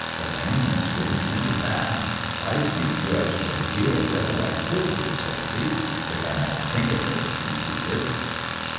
The lameness wouldn't hinder that ... I'd keep you as genteel as ever I could, dear Sophy—if I might think of it!' he pleaded.